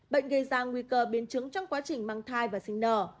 bệnh gây ra nguy cơ biến chứng trong quá trình mang thai và sinh nở